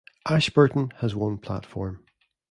Ashburton has one platform.